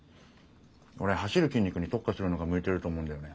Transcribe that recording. オレ走る筋肉に特化するのが向いてると思うんだよね。